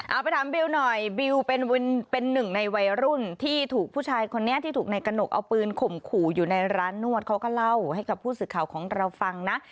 เอาไปถามบิวหน่อยบิวเป็นหนึ่งในวัยรุ่นที่ถูกผู้ชายคนนี้ที่ถูกในกระหนกเอาปืนข่มขู่อยู่ในร้านนวดเขาก็เล่าให้กับผู้สื่อข่าวของเราฟังนะ